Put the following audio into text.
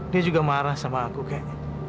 dia juga marah sama aku kayaknya